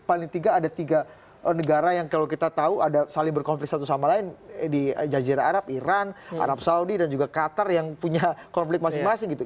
paling tidak ada tiga negara yang kalau kita tahu ada saling berkonflik satu sama lain di jazirah arab iran arab saudi dan juga qatar yang punya konflik masing masing gitu